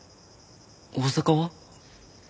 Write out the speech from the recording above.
大阪は？